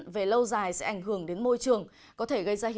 về lâu dài sẽ ảnh hưởng đến môi trường